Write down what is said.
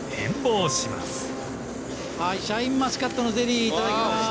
はいシャインマスカットのゼリーいただきます。